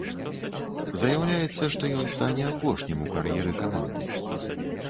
Заяўляецца, што ён стане апошнім у кар'еры каманды.